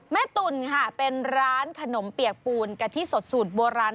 ตุ๋นค่ะเป็นร้านขนมเปียกปูนกะทิสดสูตรโบราณ